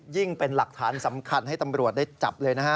เป็นหลักฐานสำคัญให้ตำรวจได้จับเลยนะฮะ